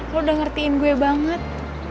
lo udah ngertiin gue banget